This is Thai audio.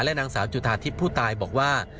นางสาวจุธาทิพย์ผู้ตายบอกว่า